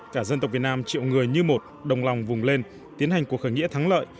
cả dân tộc việt nam triệu người như một đồng lòng vùng lên tiến hành cuộc khởi nghĩa thắng lợi